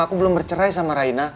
aku belum bercerai sama raina